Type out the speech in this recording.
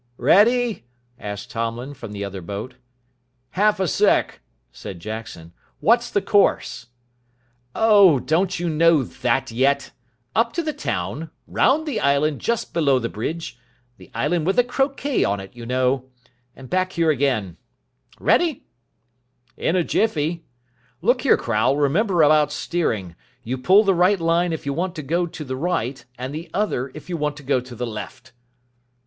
"Ready?" asked Tomlin from the other boat. "Half a sec.," said Jackson. "What's the course?" "Oh, don't you know that yet? Up to the town, round the island just below the bridge, the island with the croquet ground on it, you know and back again here. Ready?" "In a jiffy. Look here, Crowle, remember about steering. You pull the right line if you want to go to the right and the other if you want to go to the left."